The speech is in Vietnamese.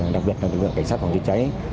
đặc biệt là đơn vị cảnh sát phòng chế cháy